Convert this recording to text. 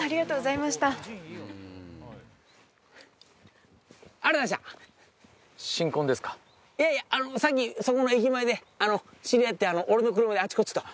いやいやさっきそこの駅前で知り合って俺の車であっちこっちと。